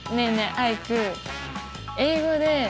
アイク